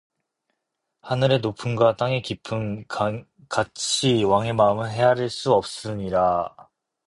하늘의 높음과 땅의 깊음 같이 왕의 마음은 헤아릴 수 없느니라